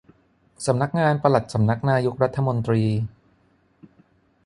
สำนักงานปลัดสำนักนายกรัฐมนตรี